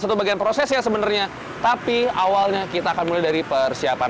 satu bagian prosesnya sebenarnya tapi awalnya kita akan mulai dari persiapan